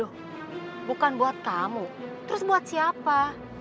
loh bukan buat kamu terus buat siapa